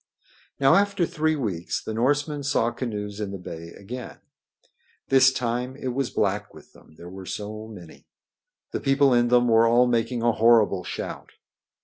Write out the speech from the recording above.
Now after three weeks the Norsemen saw canoes in the bay again. This time it was black with them, there were so many. The people in them were all making a horrible shout.